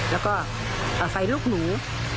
แล้วก็ไฟลุกหนู